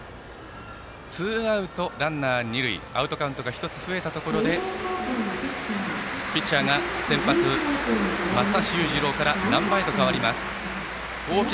ツーアウトランナー、二塁アウトカウントが１つ増えたところでピッチャーが先発、松橋裕次郎から難波へと代わります。